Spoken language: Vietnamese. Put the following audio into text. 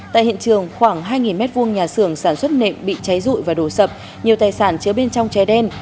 tại hiện trường khoảng hai m hai nhà xưởng sản xuất nệm bị cháy rụi và đổ sập nhiều tài sản chứa bên trong trái đen